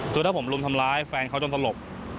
คือถ้าผมรุมทำร้ายแฟนเขาจนสลบ